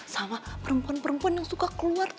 sama perempuan perempuan yang suka keluar